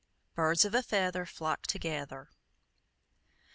"BIRDS OF A FEATHER FLOCK TOGETHER."